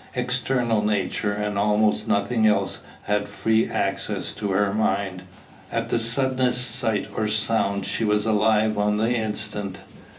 External nature, and almost nothing else, had free access to her mind: at the suddenest sight or sound, she was alive on the instant.